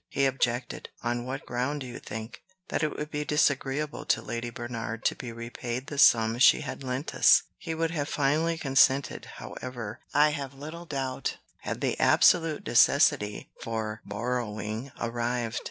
He objected: on what ground do you think? That it would be disagreeable to Lady Bernard to be repaid the sum she had lent us! He would have finally consented, however, I have little doubt, had the absolute necessity for borrowing arrived.